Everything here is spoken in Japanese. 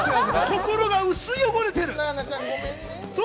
心が薄汚れてる。